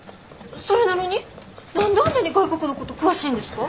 それなのに何であんなに外国のこと詳しいんですか？